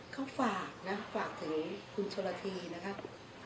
เขาฝากนะฝากถึงคุณชนละทีนะครับ